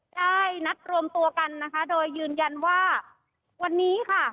ได้นัดรวมตัวกันนะคะโดยยืนยันว่าวันนี้ค่ะ